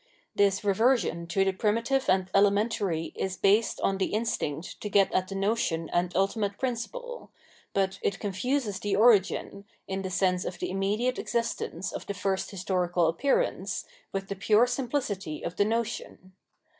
This reversion to the prmutive and elementary is based on the instinct to get at the notion and ultimate principle ; but it confuses the origin, in the sense of the immediate existence of the first historical appearance, vuth the pure simphcity of the notion.